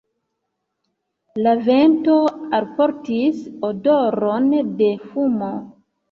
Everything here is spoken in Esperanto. La vento alportis odoron de fumo.